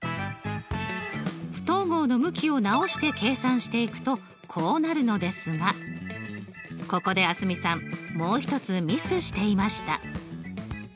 不等号の向きを直して計算していくとこうなるのですがここで蒼澄さんもう一つミスしていました。